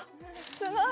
すごい。